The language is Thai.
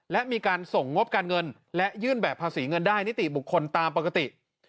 และมีการส่งงบการเงินและยื่นแบบภาษีเงินได้นิติบุคคลตามปกติ